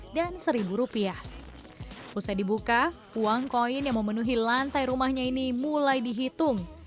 dan seribu rupiah usai dibuka uang koin yang memenuhi lantai rumahnya ini mulai dihitung